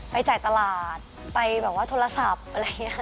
จ่ายตลาดไปแบบว่าโทรศัพท์อะไรอย่างนี้ค่ะ